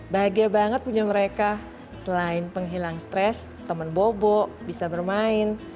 bahagia banget punya mereka selain penghilang stres teman bobo bisa bermain